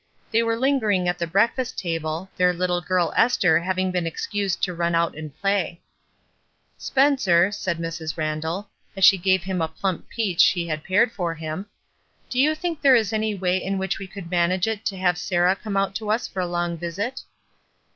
They were Ungering at the breakfast table, their little girl, Esther, having been excused to run out and play. '* Spencer," said Mrs. Randall, as she gave him a plump peach she had pared for him, "do you think there is any way in which we could manage it to have Sarah come out to us for a long visit?"